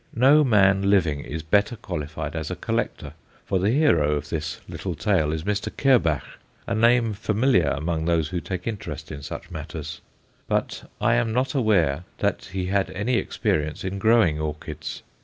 No man living is better qualified as a collector, for the hero of this little tale is Mr. Kerbach, a name familiar among those who take interest in such matters; but I am not aware that he had any experience in growing orchids.